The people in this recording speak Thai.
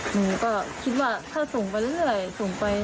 หนูก็คิดว่าถ้าส่งไปเรื่อยส่งไป